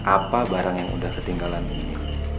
apa barang yang udah ketinggalan ini